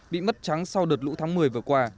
bị mất trắng sau đợt lũ tháng một mươi vừa qua